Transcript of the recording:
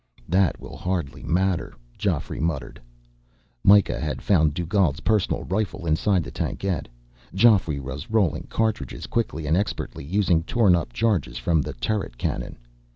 "That will hardly matter," Geoffrey muttered. Myka had found Dugald's personal rifle inside the tankette. Geoffrey was rolling cartridges quickly and expertly, using torn up charges from the turret cannon.